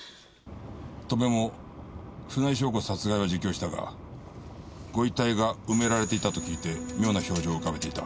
戸辺も船井翔子殺害は自供したがご遺体が埋められていたと聞いて妙な表情を浮かべていた。